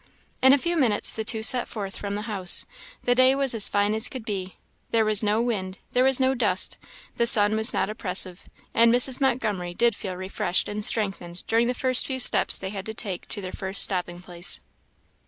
In a few minutes the two set forth from the house. The day was as fine as could be; there was no wind, there was no dust; the sun was not oppressive; and Mrs. Montgomery did feel refreshed and strengthened during the few steps they had to take to their first stopping place.